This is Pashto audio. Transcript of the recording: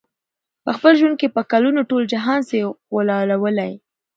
په خپل ژوند کي په کلونو، ټول جهان سې غولولای